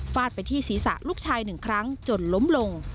ไปที่ศีรษะลูกชายหนึ่งครั้งจนล้มลง